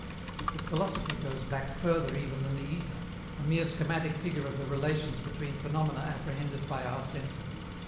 But philosophy goes back further even than the ether, a mere schematic figure of the relations between phenomena apprehended by our senses.